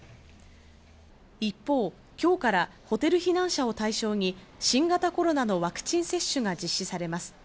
一方、今日からホテル避難者を対象に、新型コロナのワクチン接種が実施されます。